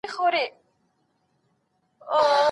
هغه باید په ګڼ ځای کي د ږغ سره ډوډۍ راوړي.